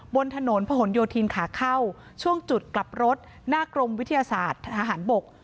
บนถนนพะหนโยธินขาเข้าช่วงจุดกลับรถหน้ากรมวิทยาศาสตร์ทหารบก